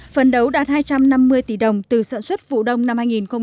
phấn đấu đạt hai trăm năm mươi tỷ đồng từ sản xuất vụ đông năm hai nghìn một mươi bảy